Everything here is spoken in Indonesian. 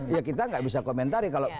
ya kita nggak bisa komentari kalau